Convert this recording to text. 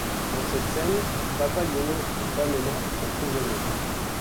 Dans cette scène, Papageno et Pamena sont prisonniers.